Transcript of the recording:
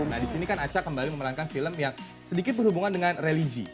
nah disini kan aca kembali memenangkan film yang sedikit berhubungan dengan religi